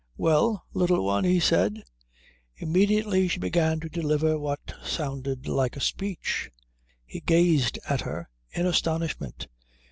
"Well, Little One?" he said. Immediately she began to deliver what sounded like a speech. He gazed at her in astonishment.